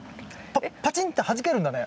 パチンってはじけるんだね。